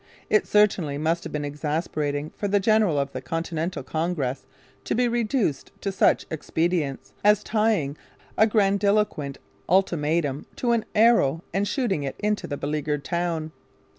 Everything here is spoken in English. It certainly must have been exasperating for the general of the Continental Congress to be reduced to such expedients as tying a grandiloquent ultimatum to an arrow and shooting it into the beleaguered town.